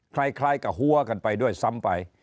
คล้ายกับหัวกันไปด้วยซ้ำไป